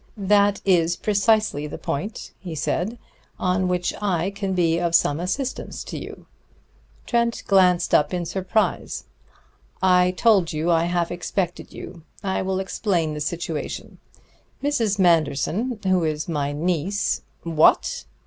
"That is precisely the point," he said, "on which I can be of some assistance to you." Trent glanced up in surprise. "I told you I half expected you. I will explain the situation. Mrs. Manderson, who is my niece " "What!"